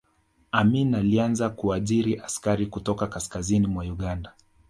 amin alianza kuajiri askari kutoka kaskazini mwa uganda